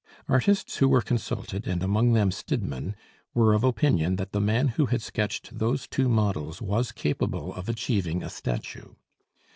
Artists who were consulted, and among them Stidmann, were of opinion that the man who had sketched those two models was capable of achieving a statue.